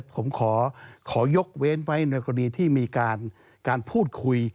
ผมขอยกเว้นไว้ในกรณีที่มีการพูดคุย